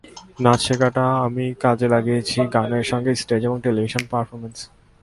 নাচ শেখাটা আমি কাজে লাগিয়েছি গানের সঙ্গে স্টেজ এবং টেলিভিশন পারফরম্যান্সে।